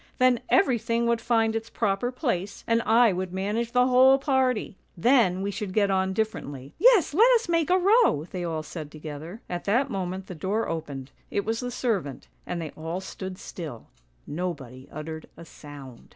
Then everything would find its proper place, and I would manage the whole party. Then we should get on differently! '"' Yes, let us make a row! ' they all said together. " At that moment the door opened, it was the servant, and they all stood still, nobody uttered a sound.